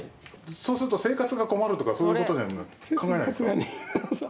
そうすると生活が困るとかそういうこと考えないんですか。